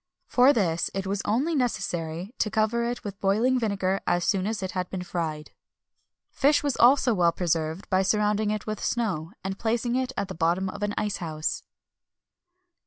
For this, it was only necessary to cover it with boiling vinegar as soon as it had been fried.[XXI 284] Fish was also well preserved by surrounding it with snow, and placing it at the bottom of an ice house.